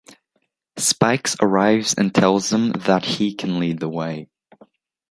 Spikes arrives and tells them that he can lead the way.